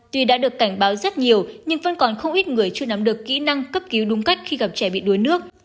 tuy đã được cảnh báo rất nhiều nhưng vẫn còn không ít người chưa nắm được kỹ năng cấp cứu đúng cách khi gặp trẻ bị đuối nước